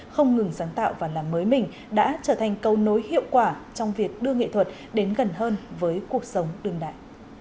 không ngừng sáng tạo và làm mới mình đã trở thành câu nối hiệu quả trong việc đưa nghệ thuật đến gần hơn với cuộc sống đương đại